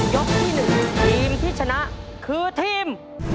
ที่๑ทีมที่ชนะคือทีม